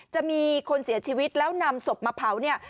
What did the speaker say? จะมีคนเสียชีวิตแล้วนำศพมาเผาเนี่ย